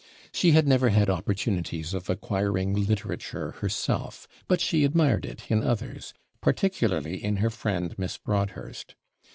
She had never had opportunities of acquiring literature herself, but she admired it in others, particularly in her friend Miss Broadhurst.